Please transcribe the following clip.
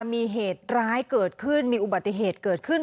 มีเหตุร้ายเกิดขึ้นมีอุบัติเหตุเกิดขึ้น